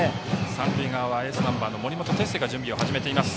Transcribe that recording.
三塁側はエースナンバーの森本哲星が準備を始めています。